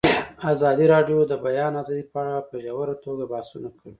ازادي راډیو د د بیان آزادي په اړه په ژوره توګه بحثونه کړي.